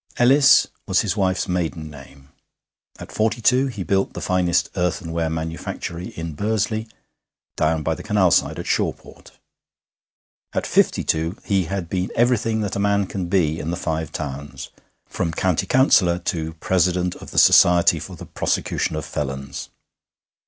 Ellis was his wife's maiden name. At forty two he built the finest earthenware manufactory in Bursley, down by the canal side at Shawport. At fifty two he had been everything that a man can be in the Five Towns from County Councillor to President of the Society for the Prosecution of Felons.